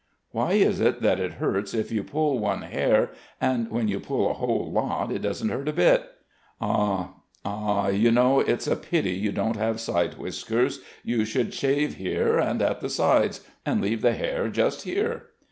"Why is it that it hurts if you pull one hair, and when you pull a whole lot, it doesn't hurt a bit? Ah, ah I You know it's a pity you don't have side whiskers. You should shave here, and at the sides ... and leave the hair just here."